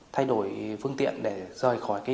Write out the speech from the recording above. thay đổi phương tiện để rời khỏi